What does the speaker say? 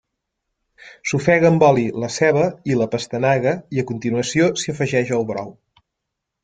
S'ofega en oli la ceba i la pastanaga i a continuació s'hi afegeix el brou.